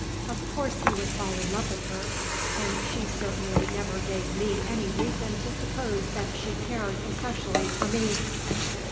Of course he would fall in love with her; and she certainly never gave me any reason to suppose that she cared especially for me."